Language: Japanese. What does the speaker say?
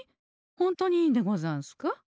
ホントにいいんでござんすか？